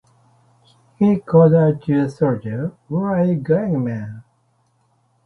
He called out to a soldier Where are you going, man?